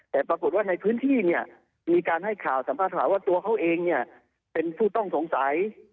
แต่ปรากฏว่าในพื้นที่เนี่ยมีการให้ข่าวสัมภาษณ์ว่าตัวเขาเองเนี่ยเป็นผู้ต้องสงสัย